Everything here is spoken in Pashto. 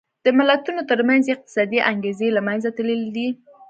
د ملتونو ترمنځ یې اقتصادي انګېزې له منځه تللې دي.